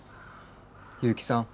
結城さん